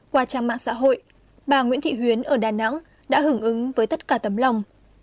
qua trang mạng xã hội bà nguyễn thị huyến ở đà nẵng đã hưởng ứng với tất cả tấm lòng